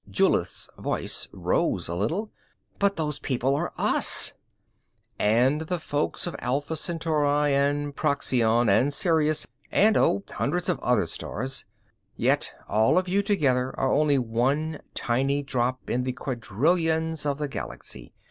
Julith's voice rose a little. "But those people are us!" "And the folk of Alpha Centauri and Procyon and Sirius and oh, hundreds of other stars. Yet all of you together are only one tiny drop in the quadrillions of the Galaxy.